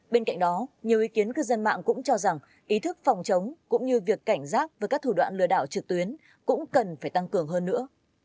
bên cạnh đó nhiều ý kiến cư dân mạng cũng cho rằng ý thức phòng chống cũng như việc cảnh giác với các thủ đoạn lừa đảo trực tuyến cũng cần phải tăng cường hơn nữa